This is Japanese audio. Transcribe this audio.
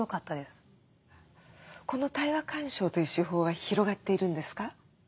この対話鑑賞という手法は広がっているんですか？